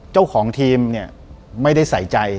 เจ้าของทีมเนี่ยไม่ได้ใส่ใจ